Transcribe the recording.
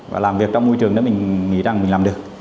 và làm việc trong môi trường nếu mình nghĩ rằng mình làm được